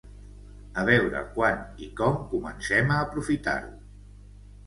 A veure quan i com comencem a aprofitar-ho.